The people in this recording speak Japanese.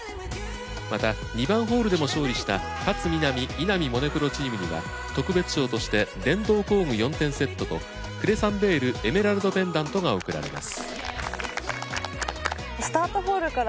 また２番ホールでも勝利した勝みなみ・稲見萌寧プロチームには特別賞として電動工具４点セットと「ＣＲＥＳＣＥＮＴＶＥＲＴエメラルドペンダント」が贈られます。